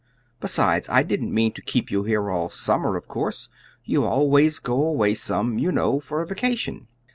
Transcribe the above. Besides, I didn't mean to keep you here all summer, of course. You always go away some, you know, for a vacation."